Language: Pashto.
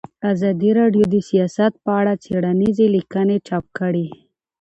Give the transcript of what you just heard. ازادي راډیو د سیاست په اړه څېړنیزې لیکنې چاپ کړي.